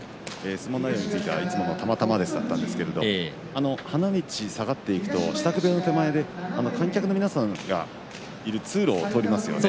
相撲内容については、いつものたまたまですだったんですけれど花道を下がっていくと支度部屋の手前で観客の皆さんがいる通路を通りますよね。